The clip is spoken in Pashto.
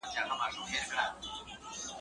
پخواني سرتېري ډېر زړور وو